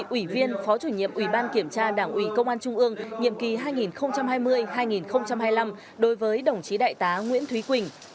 ủy viên phó chủ nhiệm ủy ban kiểm tra đảng ủy công an trung ương nhiệm kỳ hai nghìn hai mươi hai nghìn hai mươi năm đối với đồng chí đại tá nguyễn thúy quỳnh